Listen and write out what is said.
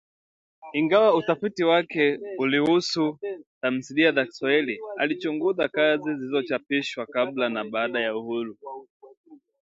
Ingawa utafiti wake ulihusu tamthilia za Kiswahili, alichunguza kazi zilizochapishwa kabla na baada ya uhuru